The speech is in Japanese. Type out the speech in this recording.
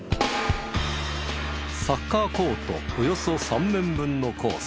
サッカーコートおよそ３面分のコース。